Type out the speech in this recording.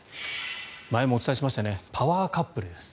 前もお伝えしましたねパワーカップルです。